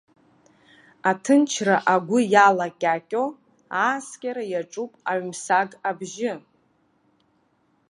Аҭынчра агәы иалакьакьо, ааскьара иаҿуп аҩмсаг абжьы.